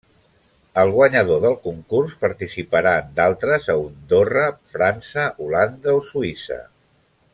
El guanyador del concurs participarà en d’altres a Andorra, França, Holanda o Suïssa.